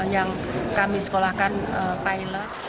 yang kami sekolahkan pilot